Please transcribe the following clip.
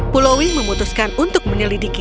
pulaui memutuskan untuk menyelidiki